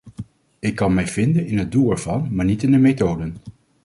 Ik kan mij vinden in het doel ervan, maar niet in de methoden.